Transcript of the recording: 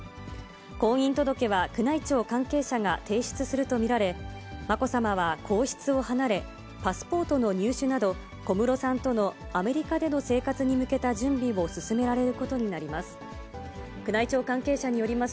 婚姻届は宮内庁関係者が提出すると見られ、まこさまは皇室を離れ、パスポートの入手など、小室さんとのアメリカでの生活に向けた準備を進められることになります。